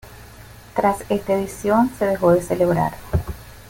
Tras esta edición se dejó de celebrar.